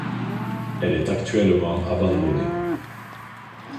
Elle est actuellement abandonnée.